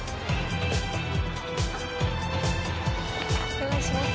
お願いします。